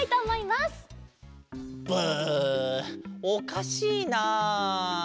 おかしいな？